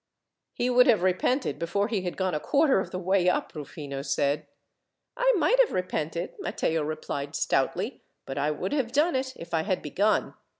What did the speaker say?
"He would have repented before he had gone a quarter of the way up," Rufino said. "I might have repented," Matteo replied stoutly, "but I would have done it, if I had begun.